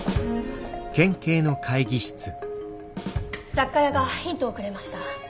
雑貨屋がヒントをくれました。